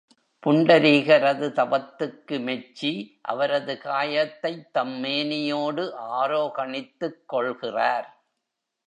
புண்டரீகரது தவத்துக்கு மெச்சி அவரது காயத்தைத் தம்மேனியோடு ஆரோகணித்துக் கொள்கிறார்.